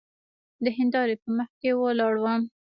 د هندارې په مخکې ولاړ وم.